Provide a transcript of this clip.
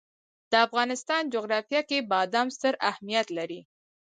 د افغانستان جغرافیه کې بادام ستر اهمیت لري.